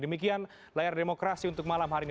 demikian layar demokrasi untuk malam hari ini